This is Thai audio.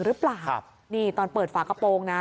หรือเปล่านี่ตอนเปิดฝากระโปรงนะ